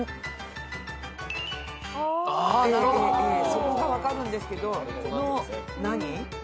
そこが分かるんですけどの何？